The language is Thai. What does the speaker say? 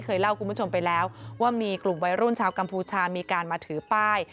เล่าคุณผู้ชมไปแล้วว่ามีกลุ่มวัยรุ่นชาวกัมพูชามีการมาถือป้าย